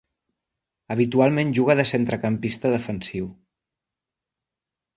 Habitualment juga de centrecampista defensiu.